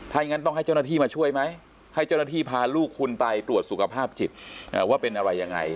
ถ้าอย่างนั้นต้องให้เจ้าหน้าที่มาช่วยไหมให้เจ้าหน้าที่พาลูกคุณไปตรวจสุขภาพจิตว่าเป็นอะไรยังไง